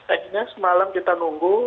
akhirnya semalam kita nunggu